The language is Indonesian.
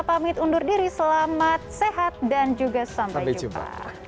pamit undur diri selamat sehat dan juga sampai jumpa